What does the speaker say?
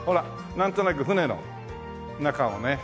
なんとなく船の中をねはい。